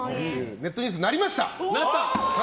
ネットニュースになりました！